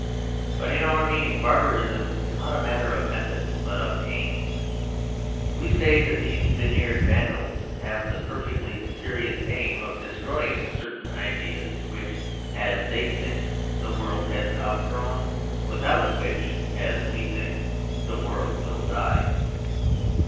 But (in our meaning) barbarism is not a matter of methods but of aims. We say that these veneered vandals have the perfectly serious aim of destroying certain ideas which, as they think, the world has outgrown; without which, as we think, the world will die.